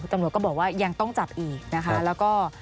ตำรวจก็บอกว่ายังต้องจับอีกนะคะแล้วก็